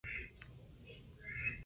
Probablemente murió ese mismo día.